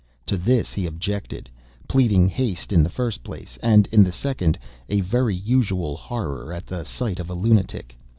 To this he objected—pleading haste in the first place, and, in the second, a very usual horror at the sight of a lunatic.